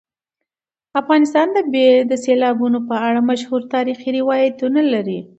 افغانستان د سیلابونو په اړه مشهور تاریخی روایتونه لري.